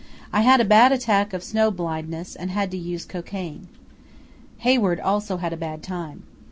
I had a bad attack of snow blindness and had to use cocaine. Hayward also had a bad time.